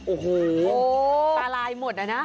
โอ้โหปลาลายหมดแล้วนะ